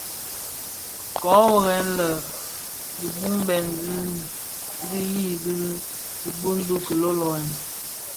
Köö worrè lè, di bubmèn din didhi idun ki lölölen.